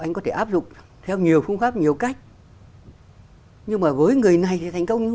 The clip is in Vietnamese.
anh có thể áp dụng theo nhiều phương pháp nhiều cách nhưng mà với người này thì thành công nhưng